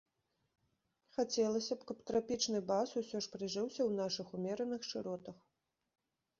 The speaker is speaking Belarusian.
Хацелася б, каб трапічны бас усё ж прыжыўся ў нашых умераных шыротах.